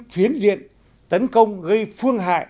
phiến diện tấn công gây phương hại